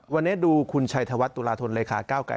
วันนี้ดูคุณชัยธวัฒน์ตุราธรรมเลขาก้าวไกลให้สัมภาษณ์